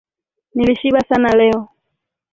Nilishiba sana leo.